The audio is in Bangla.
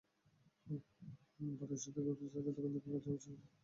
পাড়ার ওষুধের দোকান থেকে মাঝেমধ্যে সস্তা ব্যথার ওষুধ খেয়ে চলতে হয়।